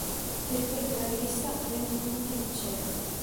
Direttori della rivista "Rendiconti Lincei.